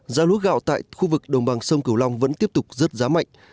giá lúa gạo tại khu vực đồng bằng sông cửu long vẫn tiếp tục rớt giá mạnh